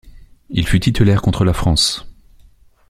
Il fut titulaire contre la France.